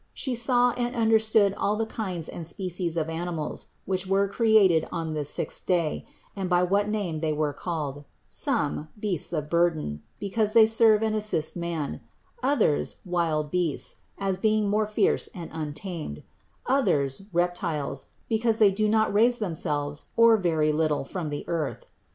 She saw and understood all the kinds and species of animals, which were created on this sixth day, and by what name they were called: some, beasts of burden, because they serve and assist man, others, wild beasts, as being more fierce and untamed; others, reptiles, be cause they do not raise themselves or very little from the earth.